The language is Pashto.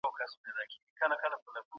کوربه هیواد هوایي حریم نه بندوي.